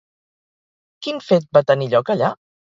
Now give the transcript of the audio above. Quin fet va tenir lloc allà?